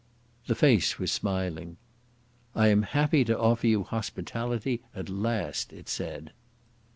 The face was smiling. "I am happy to offer you hospitality at last," it said.